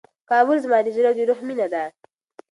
کابل زما د زړه او د روح مېنه ده.